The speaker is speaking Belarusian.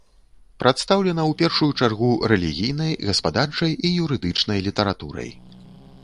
Прадстаўлена ў першую чаргу рэлігійнай, гаспадарчай і юрыдычнай літаратурай.